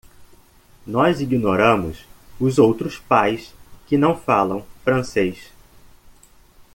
Nós ignoramos os outros pais que não falam francês.